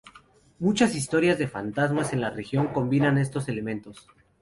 Muchas historias de fantasmas en la región combinan estos elementos.